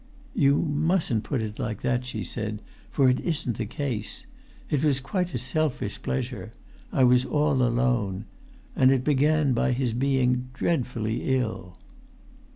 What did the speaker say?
"You mustn't put it like that," she said, "for it isn't the case. It was quite a selfish pleasure. I was all alone. And it began by his being dreadfully ill."